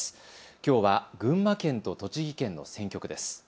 きょうは群馬県と栃木県の選挙区です。